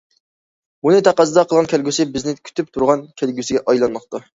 بۇنى تەقەززا قىلغان كەلگۈسى بىزنى كۈتۈپ تۇرغان كەلگۈسىگە ئايلانماقتا!